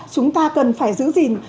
chúng ta cần phải giữ gìn